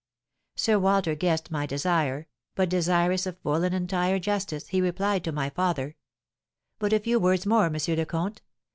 Sir Walter guessed my desire, but desirous of full and entire justice, he replied to my father, 'But a few words more, M. le Comte.